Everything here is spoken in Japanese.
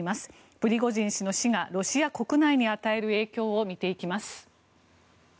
プリゴジン氏の死がロシア国内に与える影響を見ていきます。